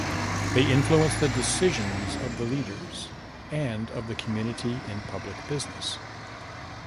They influence the decisions of the leaders and of the community in public business.